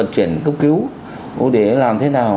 chuyển cấp cứu để làm thế nào